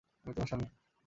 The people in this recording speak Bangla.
আমি তোমার স্বামী।